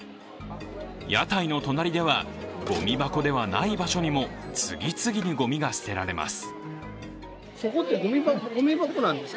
屋台の隣では、ごみ箱ではない場所にも次々にごみが捨てられます。